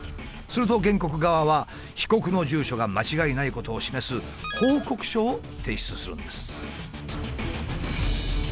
すると原告側は被告の住所が間違いないことを示す報告書を提出するんです。